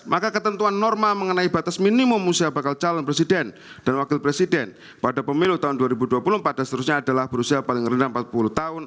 maka ketentuan norma mengenai batas minimum usia bakal calon presiden dan wakil presiden pada pemilu tahun dua ribu dua puluh empat dan seterusnya adalah berusia paling rendah empat puluh tahun